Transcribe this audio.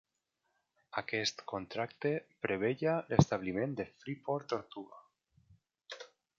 Aquest contracte preveia l'establiment de Freeport Tortuga.